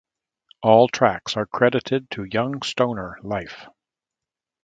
All tracks are credited to Young Stoner Life.